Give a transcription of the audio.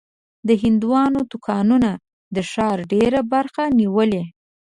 د هندوانو دوکانونه د ښار ډېره برخه نیولې.